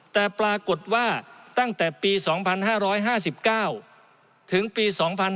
แต่ปรากฏว่าตั้งแต่ปี๒๕๕๙ถึงปี๒๕๕๙